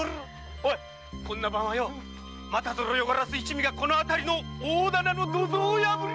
オイこんな晩はまたぞろ夜鴉一味がこの辺りの大店の土蔵を破り！